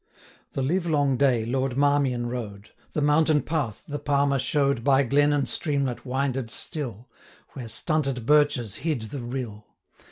The livelong day Lord Marmion rode: The mountain path the Palmer show'd By glen and streamlet winded still, Where stunted birches hid the rill.